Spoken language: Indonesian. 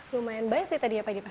lumayan banyak sih tadi ya pak dipa